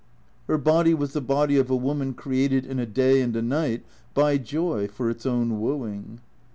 Her body was the body of a woman created in a day and a night by joy for its own wooing.